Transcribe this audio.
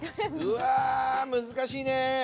うわー難しいね。